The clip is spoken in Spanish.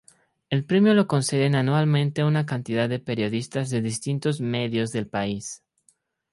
El premio lo conceden anualmente una cantidad de periodistas de distintos medios del país.